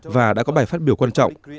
và đã có bài phát biểu quan trọng